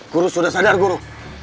guru sudah sadar guru